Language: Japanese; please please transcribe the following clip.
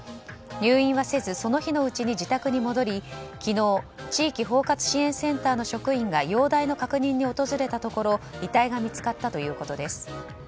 入院はせずその日のうちの自宅に戻り昨日、地域包括支援センターの職員が容体の確認に訪れたところ遺体が見つかったということです。